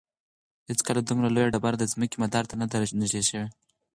هیڅکله دومره لویه ډبره د ځمکې مدار ته نه ده نږدې شوې.